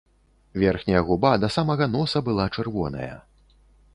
Верхняя губа да самага носа была чырвоная.